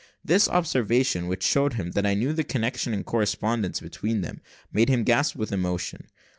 This observation, which showed him that I knew the connection and correspondence between them, made him gasp with emotion.